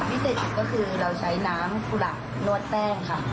พิเศษอีกก็คือเราใช้น้ำกุหลาบนวดแป้งค่ะ